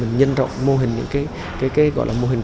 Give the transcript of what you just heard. nhân rộng mô hình những mô hình